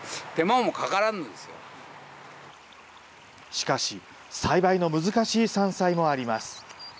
しかし、栽培の難しい山菜もあります。